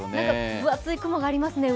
分厚い雲が上にありますね。